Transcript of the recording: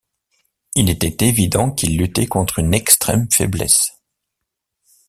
Il était évident qu’il luttait contre une extrême faiblesse.